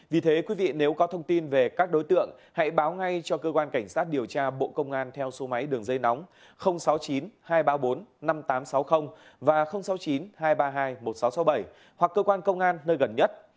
vì thế quý vị nếu có thông tin về các đối tượng hãy báo ngay cho cơ quan cảnh sát điều tra bộ công an theo số máy đường dây nóng sáu mươi chín hai trăm ba mươi bốn năm nghìn tám trăm sáu mươi và sáu mươi chín hai trăm ba mươi hai một nghìn sáu trăm sáu mươi bảy hoặc cơ quan công an nơi gần nhất